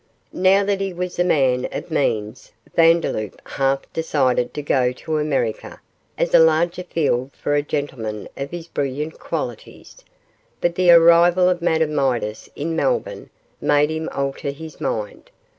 Now that he was a man of means, Vandeloup half decided to go to America, as a larger field for a gentleman of his brilliant qualities, but the arrival of Madame Midas in Melbourne made him alter his mind.